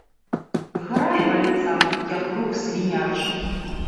Грай вальца, япрук свінячы!